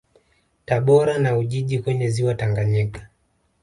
Tabora na Ujiji kwenye Ziwa Tanganyika